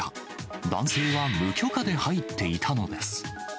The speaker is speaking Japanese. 男性は無許可で入っていたのです。